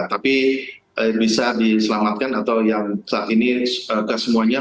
tapi bisa diselamatkan atau yang saat ini kesemuanya